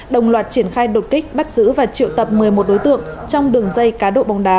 đồng loạt triển khai đột kích bắt giữ và triệu tập một mươi một đối tượng trong đường dây cá độ bóng đá